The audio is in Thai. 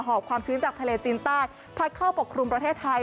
อบความชื้นจากทะเลจีนใต้พัดเข้าปกครุมประเทศไทย